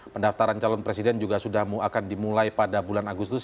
pendaftaran calon presiden juga sudah akan dimulai pada bulan agustus